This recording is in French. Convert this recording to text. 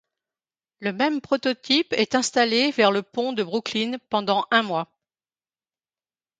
Le même prototype est installé vers le pont de Brooklyn pendant un mois.